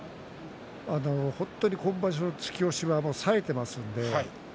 本当に今場所は突き押しがさえています。